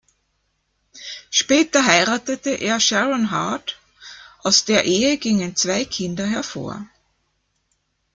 Später heiratete er Sharon Heard; aus der Ehe gingen zwei Kinder hervor.